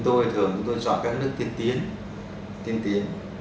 thường tôi chọn các nước tiên tiến châu á châu âu